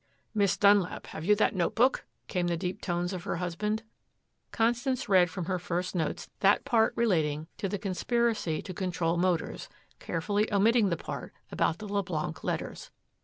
"Miss Dunlap have you that notebook?" came the deep tones of her husband. Constance read from her first notes that part relating to the conspiracy to control Motors, carefully omitting the part about the Leblanc letters.